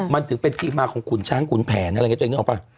มันถือเป็นที่มาของขุนช่างขุนแผนตัวเองนึกออกป่ะ